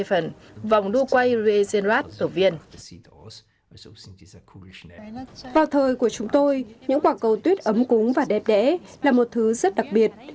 vào thời của chúng tôi những quả cầu tuyết ấm cúng và đẹp đẽ là một thứ rất đặc biệt